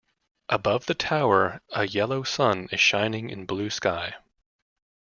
Above the tower a yellow sun is shining in blue sky.